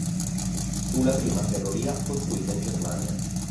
Fu la prima ferrovia costruita in Germania.